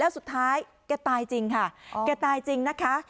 แล้วสุดท้ายแกตายจริงค่ะแกตายจริงนะคะ